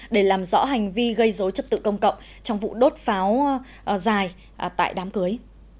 để làm rõ hành vi gây dối chất tự công cộng trong vụ đốt pháo dài tại đám cưới